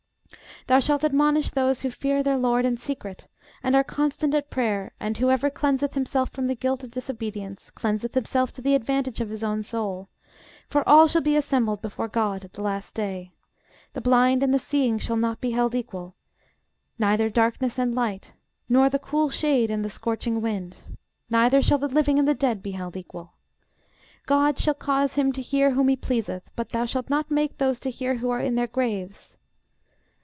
Thou shalt admonish those who fear their LORD in secret, and are constant at prayer: and whoever cleanseth himself from the guilt of disobedience, cleanseth himself to the advantage of his own soul; for all shall be assembled before GOD at the last day. The blind and the seeing shall not be held equal; neither darkness and light; nor the cool shade and the scorching wind: neither shall the living and the dead be held equal. GOD shall cause him to hear whom he pleaseth: but thou shalt not make those to hear who are in their graves.